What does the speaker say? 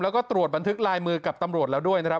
แล้วก็ตรวจบันทึกลายมือกับตำรวจแล้วด้วยนะครับ